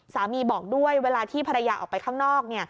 บอกด้วยเวลาที่ภรรยาออกไปข้างนอก